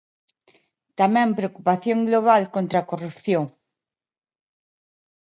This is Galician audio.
Tamén preocupación global contra a corrupción.